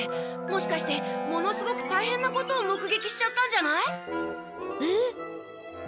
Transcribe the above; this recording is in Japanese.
もしかしてものすごくたいへんなことをもくげきしちゃったんじゃない！？えっ？